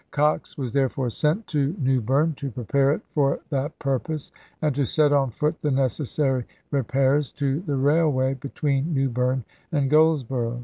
Cox was therefore sent to New Berne to prepare it for that purpose, and to set on foot the necessary repairs to the railway between New Berne and Goldsboro'.